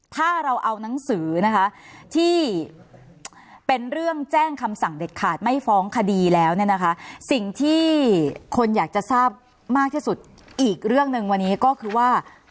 ถ้าเราเอานังสือนะคะที่เป็นเรื่องแจ้งคำสั่งเด็ดขาดไม่ฟ้องคดีแล้วเนี่ยนะคะสิ่งที่คนอยากจะทราบมากที่สุดอีกเรื่องหนึ่งวันนี้ก็คือว่า